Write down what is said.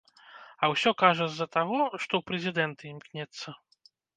А ўсё, кажа, з-за таго, што ў прэзідэнты імкнецца.